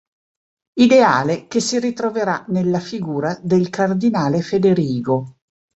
Ideale che si ritroverà nella figura del Cardinale Federigo.